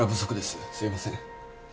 すいません。